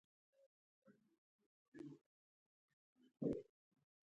د طیارې پيلوټ د الوت مسؤل وي.